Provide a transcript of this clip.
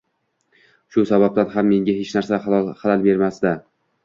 Shu sababdan ham menga hech narsa xalal bermasdi